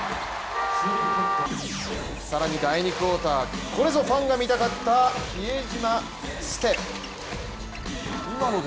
更に第２クオーター、これぞファンが見たかった、比江島ステップ。